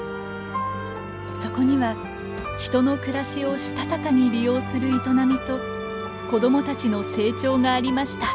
そこには人の暮らしをしたたかに利用する営みと子どもたちの成長がありました。